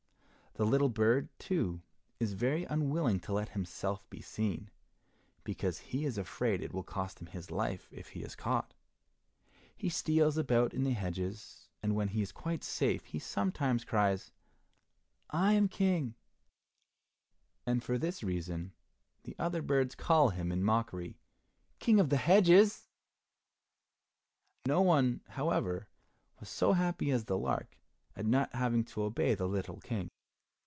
The little bird, too, is very unwilling to let himself be seen, because he is afraid it will cost him his life if he is caught. He steals about in the hedges, and when he is quite safe, he sometimes cries, "I am King," and for this reason, the other birds call him in mockery, 'King of the hedges' (Zaunkönig). No one, however, was so happy as the lark at not having to obey the little King.